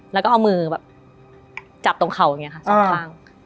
แล้วก็เอามือแบบจับตรงเข่าอย่างนี้ค่ะสองข้าง